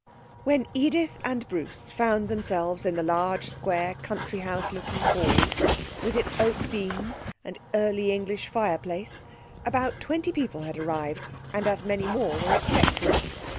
When Edith and Bruce found themselves in the large square country house looking hall, with its oak beams and early English fireplace, about twenty people had arrived, and as many more were expected.